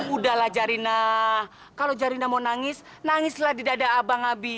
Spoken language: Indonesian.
udahlah zarina kalo zarina mau nangis nangislah di dada abang abi